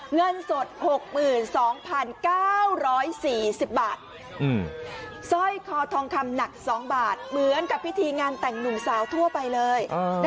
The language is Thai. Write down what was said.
เงินสด๖๒๙๔๐บาทสร้อยคอทองคำหนัก๒บาทเหมือนกับพิธีงานแต่งหนุ่มสาวทั่วไปเลย